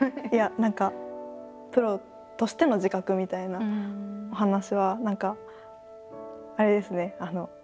いや何かプロとしての自覚みたいなお話は何かあれですね